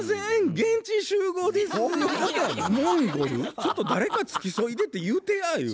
ちょっと誰か付き添いでって言うてやゆう。